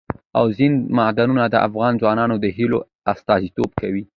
اوبزین معدنونه د افغان ځوانانو د هیلو استازیتوب کوي.